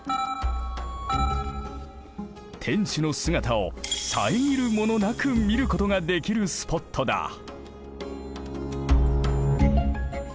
天守の姿を遮るものなく見ることができるスポットだ。